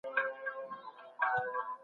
آيا موږ یو پرمختللی هیواد لرو؟